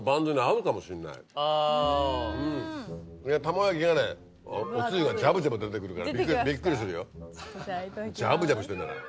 卵焼きがねおつゆがジャブジャブ出てくるからびっくりするよジャブジャブしてるんだから。